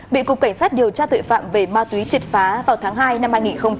bị cục cảnh sát điều tra thuệ phạm về ma túy triệt phá vào tháng hai năm hai nghìn một mươi tám